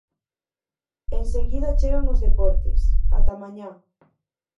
Enseguida chegan os deportes, ata mañá.